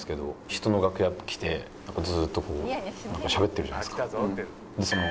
人の楽屋来てずっとこうしゃべってるじゃないですか。